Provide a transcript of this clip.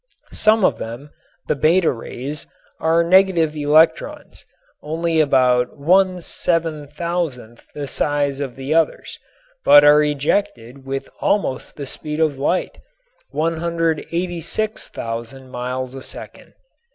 Some of them, the beta rays, are negative electrons, only about one seven thousandth the size of the others, but are ejected with almost the speed of light, 186,000 miles a second.